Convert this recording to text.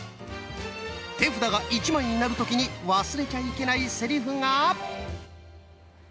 手札が１枚になる時に忘れちゃいけないセリフが。